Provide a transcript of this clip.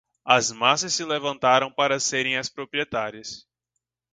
As massas se levantaram para serem as proprietárias